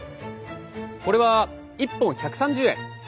これは一本１３０円。